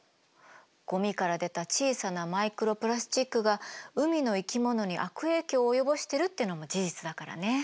ゴミから出た小さなマイクロプラスチックが海の生き物に悪影響を及ぼしてるってのも事実だからね。